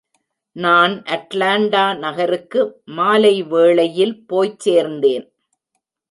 நான் அட்லாண்டா நகருக்கு மாலைவேளையில் போய்ச் சேர்ந்தேன்.